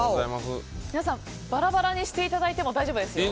皆さんバラバラにしていただいても大丈夫ですよ。